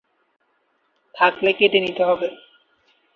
থাকলে কেটে নিতে হবে।